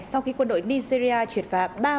sau khi quân đội nigeria triệt phá